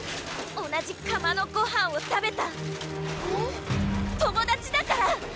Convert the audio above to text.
同じ釜のごはんを食べたえっ⁉友達だから！